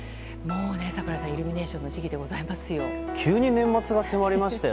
櫻井さん、イルミネーションの時期でございますよ。